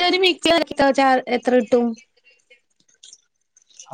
ത് മിറ്റ് കലക്കി [unintelligible] എത്ര ക്ട്ടും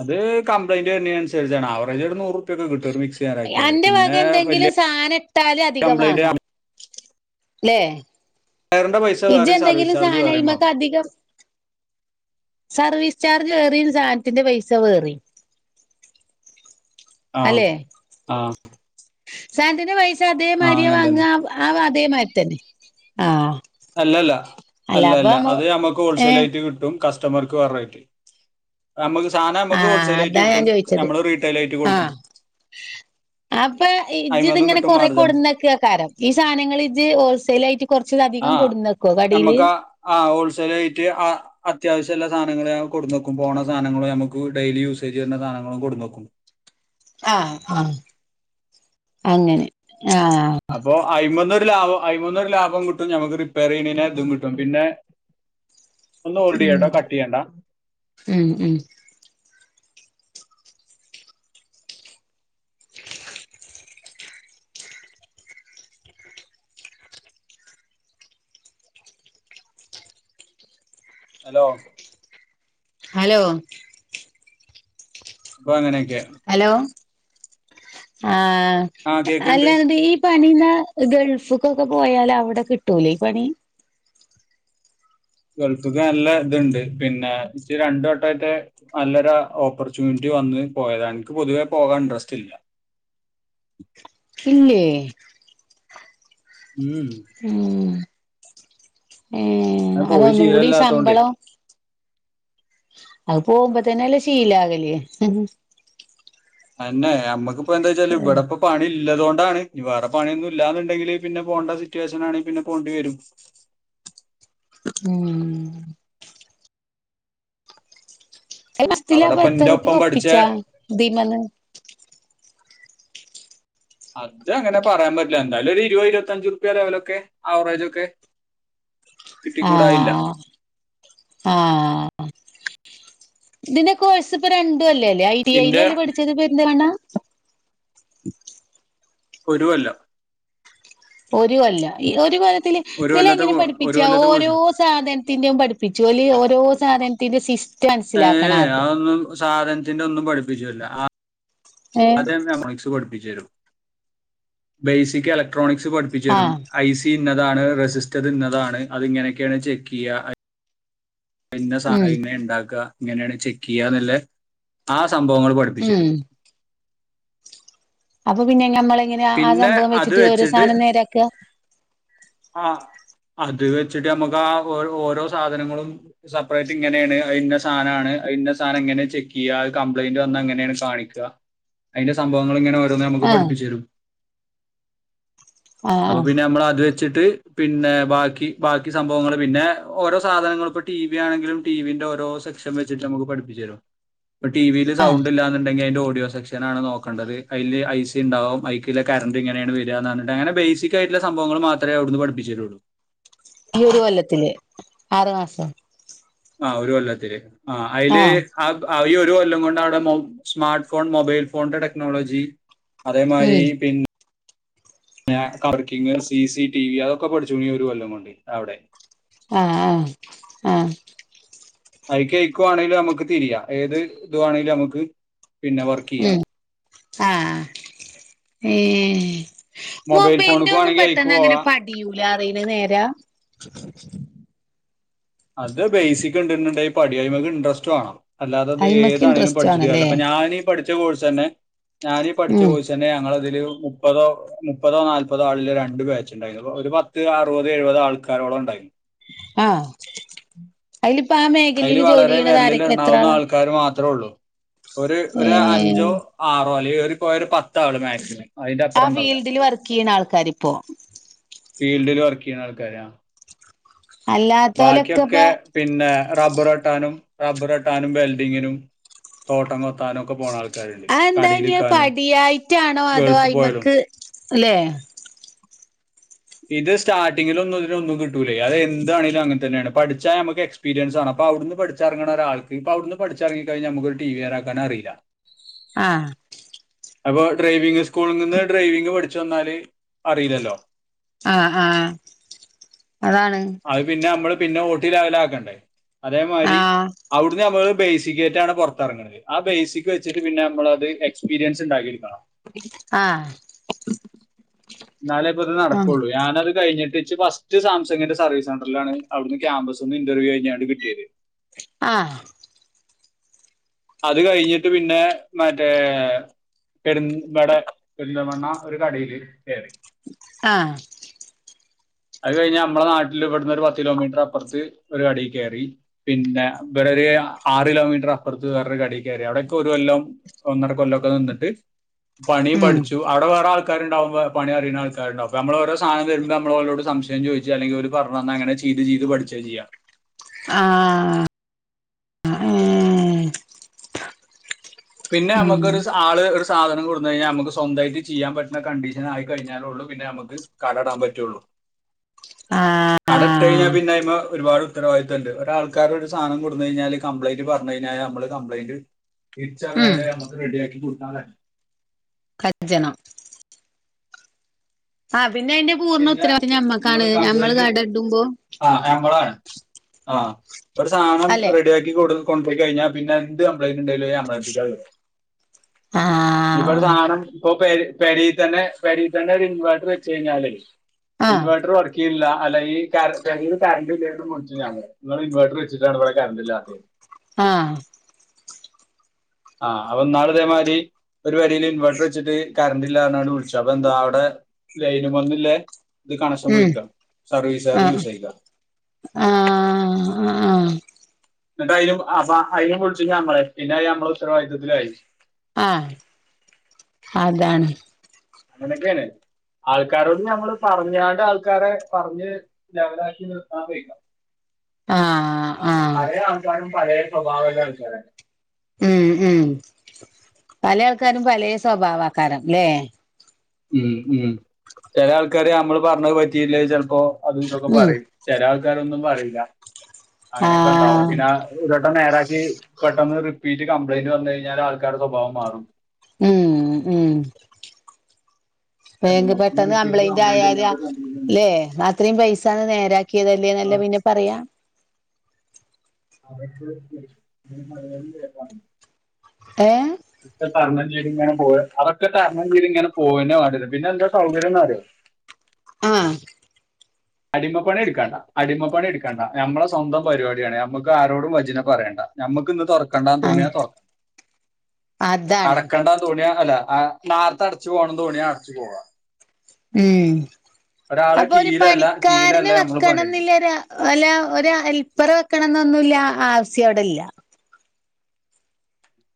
അത് കമ്പനിന്റെ വര്ണേനൻസരിച്ചാണ് ആവറേജ് ഒര് നൂറുപ്യക്കെ കിട്ടും ഒര് മിക്സ് സി നേരാക്ക്യാല് അന്റെ വക പിന്നെ എന്തെങ്കിലും വല്ല്യാ സാധനം ഇട്ടാല് അധികം കംപ്ലയ്ന്റ് വാങ്ങാം ല്ലേ ടയറിന്റെ പൈസ ഇജ് വേറെയും സർവീസ് എന്തെങ്കിലും ചാർജ് സാന വേറെയും അയ്മെക്ക് വാങ്ങും അധികം സർവീസ് ചാർജ് വേറിം സാൻത്തിന്റെ പൈസ വേറിം ആഹ് ആഹ് സാൻത്തിന്റെ പൈസ ആഹ് അതേമാര്യാ അങ്ങനെ തന്നെ വാങ്ങാ അപ് അതേമാരി തന്നെ ആഹ് അല്ലല്ല അല്ല അല്ലാപ്പ അല്ല നമ്മ അത് ഞമ്മക്ക് ഏഹ് ഹോൾസൈലായിട്ട് കിട്ടും കസ്റ്റമർക്ക് വേറെ റെയ്റ്റ് നമ്മക്ക് സാനം ഞമ്മക്ക് ആഹ് ഹോൾസെയ്ലായ്ട്ട് അതാ ഞാൻ കിട്ടും ചോദിച്ചത് ഞമ്മള് റീട്ടെയ്ലായ്ട്ട് കൊട്ക്കും ആഹ് അപ്പൊ അയിമന്നും ഇജ്ത്ങ്ങെനെ കിട്ടും കൊറേ മാർജം കൊട്ന്നെക്കെകാരം ഈ സാനങ്ങള് ഇജ് ഹോൾസൈലായിട്ട് കൊർച്ച് അധികം കൊട്ന്നെക്കോ കടീല് ആഹ് ഹോൾസെയ്ലായ്റ്റ് ആഹ് അത്യാവശ്യല്ലെ സാനങ്ങള് കൊട്ന്നെക്കും പോണ സാനങ്ങളും നമുക്ക് ഡെയ്ലി യൂസേജ് വെര്ണ സാധനങ്ങളും കൊട്ന്നെക്കും ആഹ് ആഹ് അങ്ങെനെ ആഹ് അപ്പൊ അയ്മെന്നൊരു ലാഭം അയ്മെന്നൊരു ലാഭം കിട്ടും ഞമ്മക്ക് റിപ്പെയെറെയ്യ്ണേയ്നേ തും കിട്ടും പിന്നെ ഒന്ന് ഉം ഹോൾഡെയ്യാട്ടോ കട്ട്യ്യണ്ടാ ഉം ഉം ഹലോ ഹലോ പ്പൊ അങ്ങനെക്കെ ഹലോ ആഹ് ആ കേക്കുണ്ട് അല്ലാതീ പണീമ്മെ ഗൾഫ്ക്കൊക്കെ പോയാല് അവ്ടെ കിട്ടൂലേ ഈ പണി ഗൾഫ്ക്ക് നല്ല ത്ണ്ട് പിന്നെ സ്റ്റ് രണ്ട് വട്ടായ്ട്ട് നല്ലൊര ഓപ്പർച്യൂൺറ്റി വന്ന് പോയതാ ഇൻക്ക് പൊതുവേ പോകാൻ ഇൻട്രെസ്റ്റ്ല്ല ഇല്ലേ ഉം ഉം ഏഹ് ഞാൻ പോയി അതൊന്നും കൂടി ശീലമില്ലാത്തോണ്ടേ ശമ്പളം അത് പോവു മ്പോ തന്നെ അല്ലേ ശീലാകല് അന്നെ നമ്മക്കിപ്പോ എന്താ ച്ചാല് ഇവിടെപ്പ പണി ഇല്ല തുണ്ടാണ് ഇനി വേറെ പണിയൊന്നും ഇല്ലാ ന്നുണ്ടെങ്കിൽ പിന്നെ പോവേണ്ട സിറ്റുവേഷനാണെങ്കി പിന്നെ പോണ്ടി വരും ഉം [inaudible] അയ്‌ അവിടെ [unintelligible] ഇപ്പൊ എത്ര എന്റെ പ്പി ഒപ്പം പഠിച്ച ഒപ്പിച്ചാ ദീമന്ന് അത് അങ്ങനെ പറയാൻ പറ്റില്ല എന്തായാലും ഒരു ഇരുപത് ഇരുപത്തിഞ്ച് റുപ്യ ലെവലൊക്കെ ആവറേജൊക്കെ ആഹ് ആഹ് ഇതിന്റെ കോഴ് സിപ്പ രണ്ട് അല്ലല്ലേ ഐ ടി ഐ ഇന്റെ അല്ലേ പഠിച്ചത് പെരിന്തൽമണ്ണ ഒരു കൊല്ലം ഒരു കൊല്ല ഈ ഒരു കൊല്ലത്തില് ഒരു ഇതില് കൊല്ലത്തെ എങ്ങനെ കോ- ഒരു പഠിപ്പിച്ചാ കൊല്ലത്തെ ഓരോ കോഴ്സ് സാധനത്തിന്റേം പഠിപ്പിച്ചോല് ഓരോ സാധനത്തിന്റെസിസ് ഏഹ് അതൊന്നും സാധനത്തിന്റെന്നും പഠിപ്പിച്ചൂ ല്ല ആ ഏഹ് അതെന്നെ [unintelligible] പഠിപ്പിച്ചേ രും ബേസിക് ഇലക്ട്രോണിക്സ് പഠിപ്പിച്ചേ രും ആഹ് ഐ സി തി ഇന്നതാണ് റെസിസ്റ്റർ ഇന്നതാണ് അതിങ്ങനെയൊക്കെയാണ് ചെക്ക് യ്യാ പിന്നെ ഉം സാധനം ഇങ്ങനെ ഉണ്ടാക്കാ ഇങ്ങനെയാണ് ചെക്ക് ചെയ്യാ ന്നില്ലേ ആഹ് സംഭവങ്ങൾ പഠിപ്പി മ്മ് അപ്പൊ പിന്നെ ഞമ്മളെങ്ങനെ ആഹ് പിന്നെ സംഭവം വെച്ചിട്ടൊരു സാനം നേരാക്കാ ആഹ് അത് വെച്ചിട്ട് നമ്മുക്ക് ആഹ് ഓരോ സാധനങ്ങളും സെപ്പറേറ്റ് ഇങ്ങനെണ് അയ് ഇന്ന സാനാണ് ആഹ് ഇന്ന സാനം ഇങ്ങനെ ചെക്ക് ചെയ്യാ അത് കംപ്ലയിന്റ് വന്നാ ഇങ്ങനെണ് കാണിക്കാ അയ് ന്റെ സംഭവങ്ങൾ ഇങ്ങനെ ഓരോന്ന് നമുക്ക് ആഹ് പഠിപ്പിച്ചേ രും ആഹ് അപ്പൊ ആഹ് പിന്നെ നമ്മള് അത് ച്ചിട്ട് പിന്നെ ബാക്കി ബാക്കി സംഭവങ്ങൾ പിന്നെ ഓരോ സാധനങ്ങൾ ഇപ്പോ ടി വിയാണെങ്കിലും ടി വിന്റെ ഓരോ സെക്ഷൻ വെച്ചിട്ട് നമുക്ക് പഠിപ്പി ച്ചേ രും [inaudible] ഇപ്പ ടിവിയില് ആഹ് സൗണ്ട് ഇല്ലാന്നുണ്ടങ്കി അതിന്റെ ഓഡിയോ സെക്ഷനാണ് നോക്കേണ്ടത് അതില് ഐ സി ഉണ്ടാകും ഐ ഇതിലെ കറണ്ട് ഇങ്ങനെയാണ് വരാന്ന് ർ ഞ്ഞിട്ട് അങ്ങനെ ബേസികായിട്ടുള്ള സംഭവങ്ങൾ മാത്രെ അവിടുന്ന് പഠിപ്പിച്ചേ രുള്ളൂ ഈ ഒരു കൊല്ലത്തില് ആറു മാസം ആ ഒരു കൊല്ലത്തില് ആ അയ് ല് ആഹ് ആ ഈ ഒരു കൊല്ലം കൊണ്ട് അവിടെ സ്മാർട്ട് ഫോൺ മൊബൈൽ ഫോണിന്റെ ടെക്നോളജി അതേമാരി ഉം പിന്നെ ഞാൻ കപ്പ് ക്കിങ്ങ് സി സി ടി വി അതൊക്കെ പഠിച്ചുഈ ഒരു കൊല്ലം കൊണ്ട് അവിടെ ആഹ് ആ ആഹ് അയിക്കേക്കുവാണെങ്കിലും നമുക്ക് തിരിയാ ഏത് ത് വാ ണെ ലും മക്ക് പിന്നെ വർക്ക് കിയ്യാ ഉം ആഹ് ഏ ഹ് മൊബൈൽ ന്റെ ഫോണിക്ക് ന്നും വേണമെങ്കിൽ അയക്ക് പെട്ടെന്ന് അങ്ങനെ പോവാം പഠി ടി യൂലാറീ ണത് നേരാ അത് ബേസിക് ഉണ്ട് ന്നുണ്ടെങ്കി പഠി യും അയ് മക്ക് ഇൻഡ്രസ്റ്റ് വാണം അല്ലാതെ ത് അയിമക്ക് ഇൻട്രസ്റ്റ് ഏതാണേലുംപഠിച്ചിട്ട് ആണല്ലേ കാര്യല്ല്യ അപ്പ ഞാന് പഠിച്ച കോഴ്സ് ന്നെ ഞാനീ പഠിച്ച ഉം കോഴ്സ് ന്നെ ഞങ്ങളതില് മുപ്പതോ മുപ്പതോ നാല്പ്പതോ ആളില് രണ്ട് ബേച്ച് ഇണ്ടായിരുന്നു ഒരു പത്ത് അറുപത് എഴുപത് ആൾക്കാരോളം ഇണ്ടായിര് ന്നു ആഹ് അയ് ലി പ്പൊ ആ അതിൽ മേഖലേൽ ജോലീ വളരെ യ്യ് ണത് ആരാ വിരലിൽ എത്ര എണ്ണാവുന്ന ആളാ ആൾക്കാർ മാത്രേ ഉള്ളൂ ഒരു ഒരു ഏഹ് അഞ്ചോ ആറോ അല്ലേ ഏറി പോയ ഒരു പത്താളു മാക്സിമം അതിന്റെ ആ അപ്പുറം ഉണ്ടാവില്ല ഫീൽഡിൽ വർക്കീ യ്യ് ണ ആൾക്കാരിപ്പോ ഫീൽഡില് വർക്കീ യ്യണ ആൾക്കാരാ അല്ലാത്തോലൊക്കെപ്പ ബാക്കിയൊക്കെ പിന്നെ റബ്ബർ വെട്ടാനും റബ്ബർ വെട്ടാനും വെൽഡിങ്ങിനും തോട്ടം കൊത്താനും ഒക്കെ പോണ ആൾ ആ എന്താ ഇനി പടിയായിട്ടാണോ അതോ ഗൾഫ് പോയാലും അയിമക്ക് അല്ലേ ഇത് സ്റ്റാർട്ടിങ്ങിൽ ഒന്നുംഇതിനൊന്നും കിട്ടൂല്ല അത് എതാണെങ്കിലും അങ്ങനെന്നെയാണ് പഠിച്ചാ നമുക്ക് എക്സ്പീരിയൻസ് ആണ് അപ്പോ അവിടുന്ന് പടിച്ചിറങ്ങുന്ന ഒരാൾക്ക് ഇപ്പ അവിടെന്ന് പഠിച്ചിറങ്ങണ നമുക്ക്‌ ഒരു ടി വി നോരെക്കാനറിയില്ല ആഹ് അപ്പൊ ഡ്രൈവിങ് സ്കൂളിൽ നിന്ന് ഡ്രൈവിംങ് പഠിച്ചു വന്നാല് അറിയില്ലല്ലോ ആഹ് ആഹ് അതാണ് അത് പിന്നെ നമ്മള് പിന്നെ ഓട്ടി ലവലാക്കണ്ടേ അതേമാതിരി ആഹ് അവിടുന്ന് നമ്മള് ബേസിക്കായിട്ടാണ് പുറത്തിറങ്ങുന്നത്ത് ആ ബേസിക് വച്ചിട്ട് പിന്നെ നമ്മളത് എക്സ്പീരിയൻസ് ഉണ്ടാക്കി എടുക്കണം ആഹ് എന്നാലേ ഇപ്പ ഇത് ആഹ് നടക്കുള്ളൂ ഞാനത് കഴിഞ്ഞിട്ട്ച്ച് ഫസ്റ്റ് സാംസംഗിന്റെ സർവീസ് സെന്റിലാണ് അവിടുന്ന് ക്യാമ്പസ്ന്ന് ഇന്റർവ്യ കഴിഞ്ഞാണ്ട് കിട്ടിയത് ആഹ് അത് കഴിഞ്ഞിട്ട് പിന്നെ മറ്റേ പെര് ഇബടെ പെരുന്തമണ്ണ ഒരു കടിയില് കയറി ആഹ് അത് കഴിഞ് നമ്മളെ നാട്ടിൽ ഇവിടന്ന് ഒരു പത്ത് കിലോമീറ്റർ അപ്പുറത്ത് ഒരു കടിയിൽ കയറി പിന്നെ ഇവിടെ ഒരു ആറ് കിലോമീറ്റർ അപ്പുറത്ത് വേറൊരു കടെ കയറി അവിടൊക്കെ ഒരു കൊല്ലം ഒന്നര കൊല്ലൊക്കെ നിന്നിട്ട് പണിയും ഉം പഠിച്ചു അവിടെറെ ആൾക്കാരുണ്ടാവുമ്പ പണിയറിയ ആൾകാരുണ്ടാവും നമ്മള് ഓരെ. സധനം തരുമ്പോ നമ്മള് ഒരോട് സംശയം ചോദിച്ച് അല്ലെങ്കിൽ ഓര് പറഞ്ഞ് തന്ന് അങ്ങനെ ചെയ്ത് ചെയ്ത് പഠിച്ചേ ചെയ്യാം ആഹ് അയ് പിന്നെ ഉം നമുക്കൊരു സ് ആള് സാധനം കൊടുന്ന് കഴിഞ്ഞാൽ നമുക്ക് സ്വന്തമായിട്ട് ചെയ്യാൻ പറ്റുന്ന കണ്ടീഷൻ ആയി കഴിഞ്ഞാലുള്ളൂ പിന്നെ നമുക്ക് കട ഇടാൻ പറ്റുള്ളൂ ആഹ് കടയിട്ട് കഴിഞ്ഞാൽ പിന്ന അയിമ്മെ ഒരുപാട് ഉത്തരവാദിത്തം ഇണ്ട് ഒര് ആള്ക്കാര് ഒരു സാധനം കൊടുന് കഴിഞ്ഞാല് കംപ്യിന്റ് പറഞ്ഞു കഴിഞ്ഞാല് നമ്മള് കംപ്ലയിന്റ് ഉം തിരിച്ചറിഞ്ഞാലേ നമക്ക് റെഡിയാക്കി കൊടുക്കാൻ കഴി കജ്‌ജണം ആ പിന്ന അതിന്റെ പൂർണ്ണ പിന്നെ ഉത്തരവാദിത്തം നമ്മൾ ഞമ്മക്കാണ് ഞമ്മള് കംപ്ലൈന്റ് കട ഇടുമ്പോ ആ ഞമ്മളാണ് ആ ഒരു സാധനം അല്ലെ റെഡി ആക്കി ഇവടന്ന് കൊണ്ടോയി കഴിഞ്ഞാ പിന്നെ എന്ത് കംപ്ളയിന്റ ഇണ്ടേലു ഞമ്മളെ എര്ത്ത്ക്കാ വരാ ഇഞ്ഞ് അവിടെ ആഹ് സാദനം ഇപ്പൊ പെരേ പെരേല് തന്നെ പെരേൽ തന്നെ ഒരു ഇൻവേർട്ടർ വെച്ച് കഴിഞ്ഞാല് ആഹ് ഇൻവേർട്ടർ വര്‍ക്ക് ചെയ്യണില്ല അല്ല ഈ പെരേല് കരണ്ടില്ലാന്ന് വിളിച്ച് ഞാന് നിങ്ങള് ഇൻവേർട്ടറ് വെച്ചിട്ടാണ് ഇവിടെ കറണ്ട്ല്ലാത്തേന്ന് ആഹ് ആഹ് അപ്പൊ ഇന്നാള് ഇതേമാതിരി ഒരു പെരീൽ ഇൻവേർട്ടർ വെച്ചിട്ട് കറണ്ട് ഇല്ലാന്നാണ് വിളിച്ച് അപ്പൊ എന്താ അവിടെ ലൈനുമന്നില്ലേ ഇത് കണക്ഷൻ ഉം പോയിരിക്കാ സർവീസ് വയറ് ലൂസ് ആയിക്കാ ആഹ് ആഹ് ആഹ് എന്നിട്ട അതിനും അപ്പെ അയിനും വിളിച്ച് ഞമ്മളെ പിന്നെ ഞമ്മളെ ഉത്തരവാദിത്തത്തിലായി ആഹ് അതാണ് അങ്ങനെക്കെയാണ് ആൾക്കാരോട് ഞമ്മള് പറഞ്ഞാണ്ട് ആൾക്കാരെ പറഞ്ഞ് ലെവലാക്കി നിർത്താൻ വെക്ക ആഹ് ആഹ് പഴയ ആൾക്കാരും പഴയ സ്വഭാവം ഉള്ള ആൾക്കാരാ ഉം ഉം പലേ ആൾക്കാരും പലേ സ്വഭാവക്കാരാണ് ഇല്ലെ ഉം ഉം ചെല ആള്ക്കാര് നമ്മള് പറഞ്ഞത് പറ്റിയില്ലേ ചെലപ്പോ അതുമിതൊക്കെ ഉം പറയും ചെല ആൾക്കാരൊന്നും പറയില്ല അങ്ങനെയൊക്കെ ഉണ്ടാവും ആഹ് പിന്നെ ഒരുവട്ടം നേരാക്കി പെട്ടെന്ന് റിപ്പീറ്റ് കംപ്ലയിന്റ് വന്നുകഴിഞ്ഞാല് ആൾക്കാർടെ സ്വഭാവം മാറും ഉം ഉം ബാങ്ക് പെട്ടെന്ന് റിപ്പീറ്റ് കംപ്ലൈന്റ് ആയാല് ഇല്ലാതെ അല്ലേ ഇത്രയും പൈസാണ് നേരാക്കിയതല്ലേ എന്നല്ലേ പിന്നെ പറയാ അവ [unintelligible] [inaudible] ഏഹ് ദ്ക്കെ തരണംചെയ്തിങ്ങനെ പോയെ അതൊക്കെ തരണം ചെയ്തിങ്ങനെ പോവേന്ന പാടുള്ളൂ പിന്നെ എന്താ സൗകര്യം ന്ന് അറിയ്യോ ആഹ് അടിമപ്പണി എടുക്കണ്ട അടിമപ്പണി എടുക്കണ്ടാ നമ്മളെ സ്വന്തം പരിപാടിയാണ് നമുക്ക് ആരോടും വചനം പറയേണ്ട ഞമ്മക്ക് ഇന്ന് തുറക്കണ്ടാന്ന് ആഹ് തോണിയാ തുറക്കണ്ട അതാണ് അടക്കണ്ടാന്ന് തോണിയാ അല്ല ആ നേരത്തെ അടച്ചു പോകണംന്ന് തോണിയാ അടച്ചുപോവാ ഉം ഒരാളെ അപ്പൊ ഒരു കീഴിലല്ല പണിക്കാരനെ കീഴിലല്ല നമ്മള് വെക്കണം എന്നില്ല പണിയെടുക്കുന്നത് ഒരാ അല്ല ഒരു ഹെല്പറെ വെക്കണംന്നൊന്നുല്ല ആവശ്യം അവിടില്ല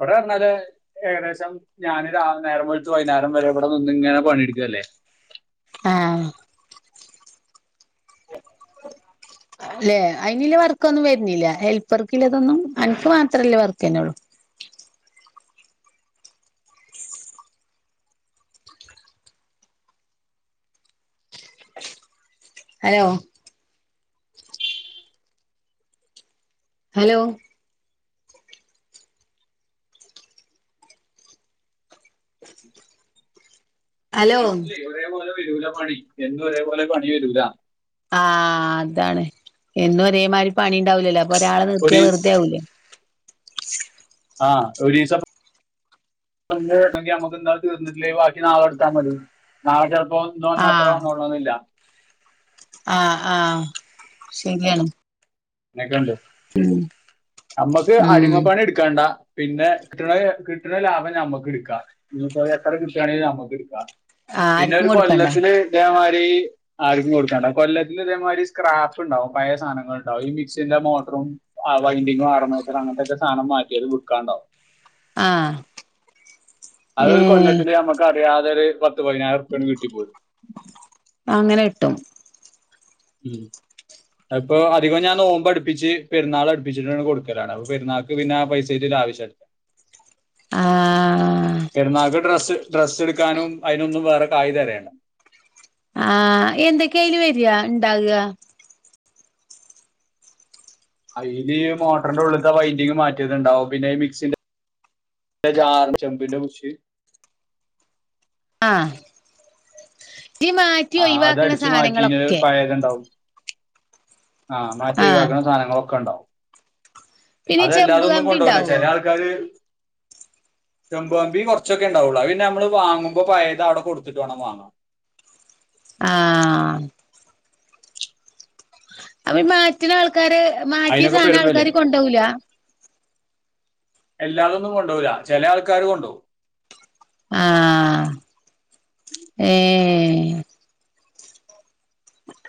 എവിടെ വന്നാല് ഏകദേശം ഞാനൊരാ നേരം വെളെത്ത് വൈന്നേരം വരെ ഇവിടെ നിന്ന് ഇങ്ങനെ പണിയെടുക്കല്ലേ ആഹ് [inaudible] ല്ലെ അയിന്ല് വർക്കൊന്നും വരുന്നില്ല ഹെൽപ്പർക്കില്ലതൊന്നും അനിക്ക് മാത്രല്ലേ വർക്ക്ന്നൊള്ളൂ ഹലോ ഹലോ ഹലോ എന്നും ഒരേപോലെ വരൂല പണി എന്നും ഒരേപോലെ പണി വരൂല ആഹ് അതാണ് എന്നും ഒരേമാതിരി പണി ഉണ്ടാവൂലല്ലോ അപ്പൊ ഒരാളെ നിർത്തിയാ ഒരു വെറുതെ ആവൂലേ ആഹ് ഒരീ സം [unintelligible] ങ്കിൽ നമുക്ക് ന്താ തീർന്നിട്ടില്ലേ ബാക്കി നാളെ എടുത്താ മതി നാളെ ചെലപ്പോ ഇന്ന് ആ വന്ന അത്രോം വന്നോളണന്നില്ല ആഹ് ആഹ് ശരിയാണ് അങ്ങനൊക്കേണ്ട് ഞമ്മക്ക് ഉം അടിമപ്പണി എടുക്ക ക്കേണ്ട പിന്നെ കിട്ടണ കിട്ടണ ലാഭം ഞമ്മക്ക് എടുക്കാം പിന്നിപ്പോ എത്ര കുട്ടിയാണെങ്കെലും നമ്മുക്ക് എടുക്കാ ആ പിന്നെ ആർക്കും ഒരു കൊടുക്കണ്ട കൊല്ലത്തില് അതേമാതിരി ആർക്കും കൊടുക്കുണ്ടാവും കൊല്ലത്തിൽ ഇതേമാതിരി സ്ക്രാഫ്റ്റ് ഉണ്ടാവും പഴയ സാധനങ്ങ ൾ ഈ മിക്സിന്റെ മോട്ടറും വൈൻിംഗും ആരമയത്ര അങ്ങനത്തെക്കെ സാധനം മാറ്റിയൽ വിക്കാന്ണ്ടാവും. ആഹ് അതൊരു കൊല്ലത്തിൽ നമുക്ക് അറിയാതെ ഒരു പത്തു പതിനായിരംഉർപ്പ കിട്ടിപ്പോരും. അങ്ങനെ കിട്ടൊ? ഉം അപ്പൊ അധികം ഞാൻ നോമ്പ് അടുപ്പിച്ച് പെരുന്നാൾ അടുപ്പിച്ചിട്ട് കൊടുക്കലാണ് അപ്പൊ പെരുന്നാൾ ക്ക് പിന്നെ ആഹ് പൈസയ്ത്ത് പിന്നെ ഒര് ആവശ്യംഇല്ല. ആഹ് പെരുന്നാൾക്ക് ഡ്രസ്സ് ഡ്രസ്സ് എടുക്കാനും അയിനൊന്നും വേറെ കായി തരയണ്ടാ. ആഹ് എന്തൊക്കെയ്ന്ന് വരെയാ ഇണ്ടാക്കാ. അയ്ന് ഈ മോട്ടറിന്റെ ഉള്ളിലത്തെ വൈഡിങ് മാറ്റിയത്ണ്ടാവും പിന്നെഈ മിക്സിന്റെ ന്റെ ചാറും ചെമ്പിന്നെ ഉഷ്. ആഹ് ഈ മാറ്റി ഒഴിവാക്ക്ണ സാനങ്ങളൊക്കെ? ത്ണ്ടാവും. ആഹ് ആ മാറ്റൊഴിവാക്കുന്ന സാധങ്ങള് ഒക്കെ ഉണ്ടാവും. പിന്നെ ഈ ചെമ്പ് അതല്ലാരോന്നും കമ്പി കൊണ്ടോവൂല്ല ഉണ്ടാവോ ചെല ആൾക്കാര്. ചെമ്പുപാൻപിങ് കുറച്ചൊക്കെ ഉണ്ടാവുള്ളൂ പിന്ന നമ്മള് വാങ്ങുമ്പോ പയത് അടെ കൊടുത്തിട്ട് വേണം വാങ്ങാ. ആഹ് അപ്പൊ ഈ പാക്കി ആൾക്കാര് മാറ്റിയ അതിനൊക്കെ സാധനം പെരും വെലയാ ആൾക്കാര് കൊണ്ടാവൂല. എല്ലാരോന്നും കൊണ്ടോവൂല്ല ചെല ആൾക്കാര് കൊണ്ടവും. ആഹ് ഏഹ്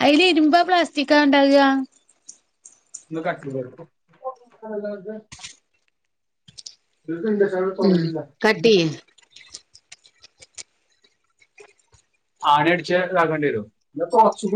അയി ല് ഇരുമ്പോ പ്ലാസ്റ്റിക്കാ ഉണ്ടാക. [unintelligible] ഉം കട്ടെയ്യ് [unintelligible] ആണി അടിച്ച് താക്കേണ്ടി വരോ കൊറച്ച്